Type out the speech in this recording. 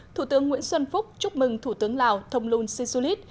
thủ tướng nguyễn xuân phúc chúc mừng thủ tướng lào thông lung sisulit